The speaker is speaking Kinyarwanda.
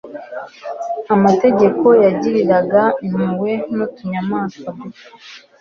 Amategeko yagiriraga impuhwe n'utunyamaswa dutoya